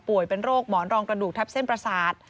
เป็นโรคหมอนรองกระดูกทับเส้นประสาท